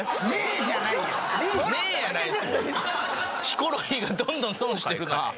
ヒコロヒーがどんどん損してる。